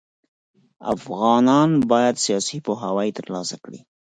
افغانان بايد سياسي پوهاوی ترلاسه کړي.